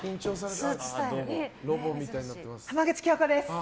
浜口京子です。